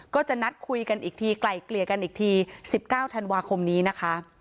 ก็จะนัดคุยกันอีกทีไกล่เกลี่ยกันอีกที๑๙ธันวาคมนี้นะคะ